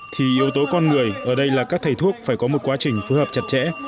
thì yếu tố con người ở đây là các thầy thuốc phải có một quá trình phù hợp chặt chẽ